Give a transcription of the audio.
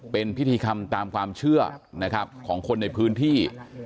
เป็นพิธีคำตามความเชื่อของคนในพื้นที่